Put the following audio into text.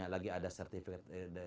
lagi ada sertifikat